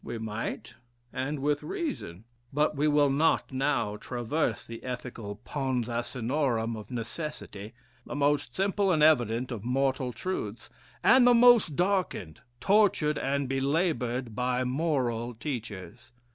"We might, and with reason. But we will not now traverse the ethical pons asinorum of necessity the most simple and evident of mortal truths, and the most darkened, tortured, and belabored by moral teachers.